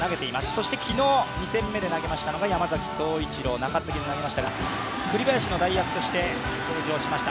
そして昨日、２戦目で投げましたのが山崎颯一郎、中継ぎで投げましたが、栗林の代役として登場しました。